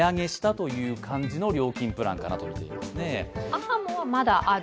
ａｈａｍｏはまだある？